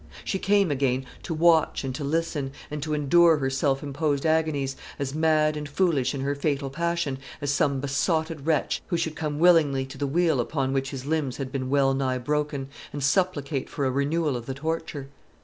She came again, to watch and to listen, and to endure her self imposed agonies as mad and foolish in her fatal passion as some besotted wretch who should come willingly to the wheel upon which his limbs had been well nigh broken, and supplicate for a renewal of the torture.